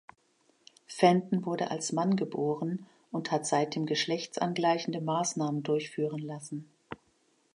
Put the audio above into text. Fenton wurde als Mann geboren und hat seitdem geschlechtsangleichende Maßnahmen durchführen lassen.